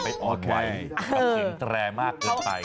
มีเหตุฉุกเฉินจริงแตรมากกว่าใคร